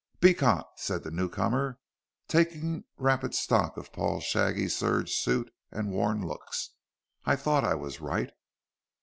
"Beecot!" said the newcomer, taking rapid stock of Paul's shabby serge suit and worn looks. "I thought I was right."